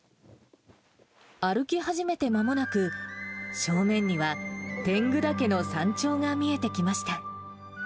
歩き始めてまもなく、正面には天狗岳の山頂が見えてきました。